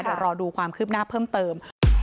เดี๋ยวรอดูความคืบหน้าเพิ่มเติม